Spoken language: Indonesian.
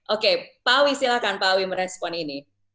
oke pawi silahkan pawi merespon ini